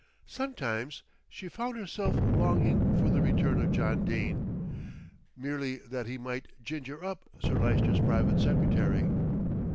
Sometimes she found herself longing for the return of John Dene, merely that he might "ginger up" Sir Lyster's private secretary.